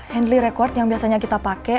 handley record yang biasanya kita pakai